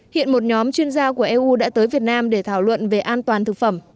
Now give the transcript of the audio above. hiện một nhóm chuyên gia của eu đã tới việt nam để thảo luận về an toàn thực phẩm